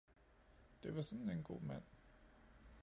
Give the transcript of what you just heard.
Det var sådan en god mand.